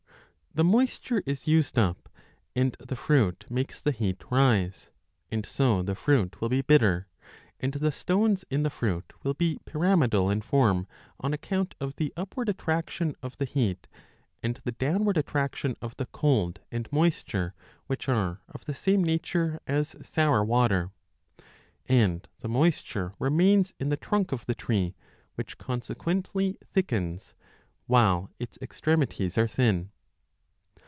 The moisture is used up and the fruit makes the heat rise, and so the fruit will be bitter, and the stones in the fruit will be pyramidal in form on account of the upward attraction of the heat and the downward attraction of the cold and moisture which are of 15 the same nature as sour water ; and the moisture remains in the trunk of the tree, which consequently thickens, while its extremities are thin.